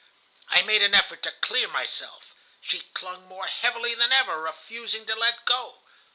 "I made an effort to clear myself. She clung more heavily than ever, refusing to let go.